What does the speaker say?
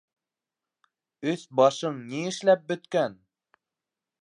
Өҫ-башың ни эшләп бөткән?!